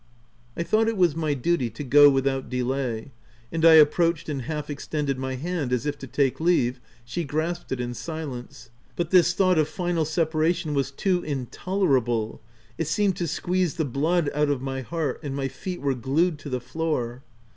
I thought it was my duty to go without delay ; and I approached and half extended my hand as if to take leave, she grasped it in silence. But this thought of final separation was too intolera ble : it seemed to squeeze the blood out of my heart ; and my feet were glued to the floor.